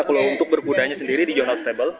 kalau untuk berkuda nya sendiri di jornal stable